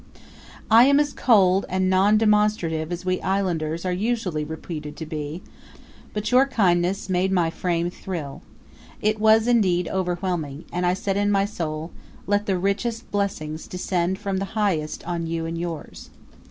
I am as cold and non demonstrative as we islanders are usually reputed to be; but your kindness made my frame thrill. It was, indeed, overwhelming, and I said in my soul, "Let the richest blessings descend from the Highest on you and yours!"